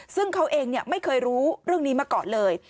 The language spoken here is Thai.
ซึ่งเขาเองไม่เคยรู้เรื่องนี้มาก่อนเลย